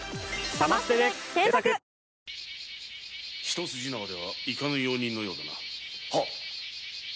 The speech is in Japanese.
一筋縄ではいかぬ用人のようだな。